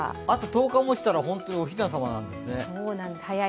あと１０日もしたら本当におひな様なんですね。